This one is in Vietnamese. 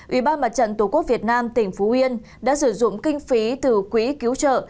ủy ban mặt trận tổ quốc việt nam tỉnh phú yên đã sử dụng kinh phí từ quỹ cứu trợ